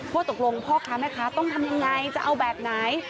ตกลงพ่อค้าแม่ค้าต้องทำยังไงจะเอาแบบไหน